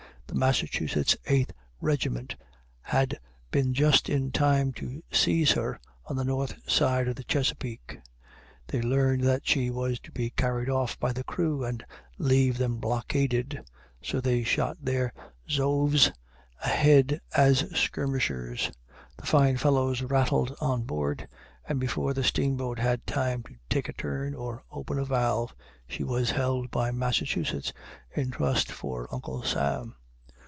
The Massachusetts Eighth Regiment had been just in time to seize her on the north side of the Chesapeake. They learned that she was to be carried off by the crew and leave them blockaded. So they shot their Zouaves ahead as skirmishers. The fine fellows rattled on board, and before the steamboat had time to take a turn or open a valve, she was held by Massachusetts in trust for Uncle Sam.